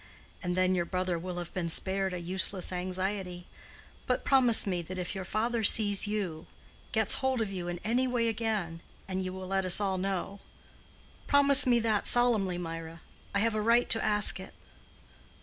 And then your brother will have been spared a useless anxiety. But promise me that if your father sees you—gets hold of you in any way again—and you will let us all know. Promise me that solemnly, Mirah. I have a right to ask it."